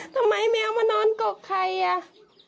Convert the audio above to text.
ทำไมแมวมานอนกกไข่อ่ะ